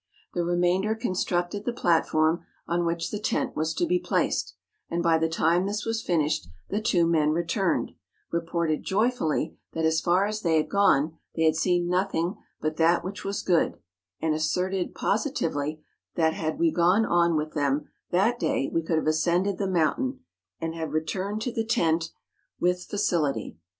The remainder constructed the platform on which the tent was to be placed, and by the time this was finished the two men re¬ turned, reported joyfully that as far as they had gone they had seen nothing but that which was good, and asserted positively, that had we gone on with them that day we could have ascended the mountain, and have returned to the tent with fa 100 MOUNTAIN ADVENTURES. cility.